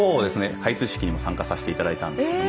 開通式にも参加させて頂いたんですけども。